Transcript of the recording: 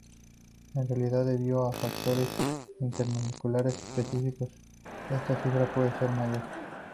En realidad, debido a factores intermoleculares específicos, esta cifra puede ser mayor.